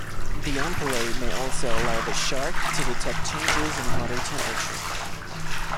The ampullae may also allow the shark to detect changes in water temperature.